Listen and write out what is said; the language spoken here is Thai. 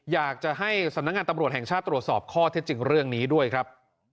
อยากจะให้สำนักงานตำรวจแห่งชาติตรวจสอบข้อเท็จจริงเรื่องนี้ด้วยครับ